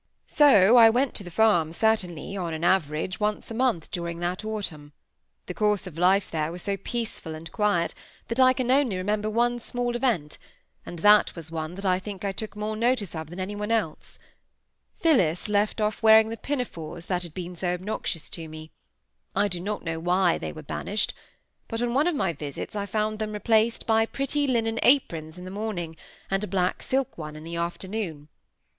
So I went to the farm certainly, on an average, once a month during that autumn; the course of life there was so peaceful and quiet, that I can only remember one small event, and that was one that I think I took more notice of than any one else: Phillis left off wearing the pinafores that had always been so obnoxious to me; I do not know why they were banished, but on one of my visits I found them replaced by pretty linen aprons in the morning, and a black silk one in the afternoon.